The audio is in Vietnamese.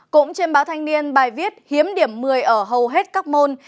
cũng trên báo thanh niên bài viết hiếm điểm một mươi ở hầu hết các môn